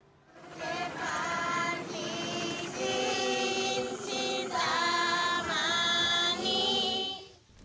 jepang di sini cinta mani